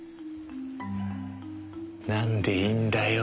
なんでいんだよ？